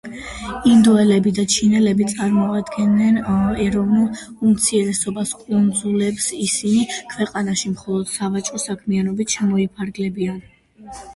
ინდოელები და ჩინელები წარმოადგენენ ეროვნულ უმცირესობას კუნძულებზე, ისინი ქვეყანაში მხოლოდ სავაჭრო საქმიანობით შემოიფარგლებიან.